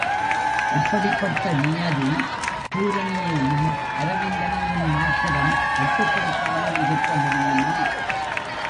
இப்படிப்பட்ட நியதி பூரணியையும், அரவிந்தனையும் மாத்திரம் கட்டுப்படுத்தாமல் இருக்க முடியுமா?